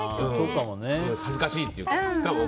恥ずかしいっていうか。